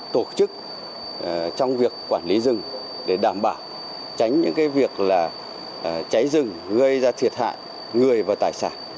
tổ chức trong việc quản lý rừng để đảm bảo tránh những việc cháy rừng gây ra thiệt hại người và tài sản